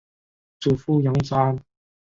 祖父杨子安。